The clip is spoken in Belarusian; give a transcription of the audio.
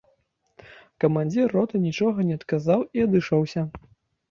Камандзір роты нічога не адказаў і адышоўся.